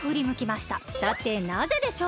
さてなぜでしょう？